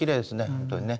本当にね。